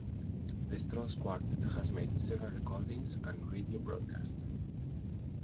The Stross Quartet has made several recordings and radio broadcasts.